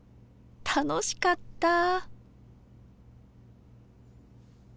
楽しかったぁ。